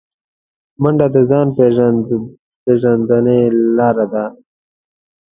منډه د ځان پیژندنې لاره ده